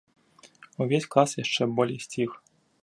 Увесь клас яшчэ болей сціх.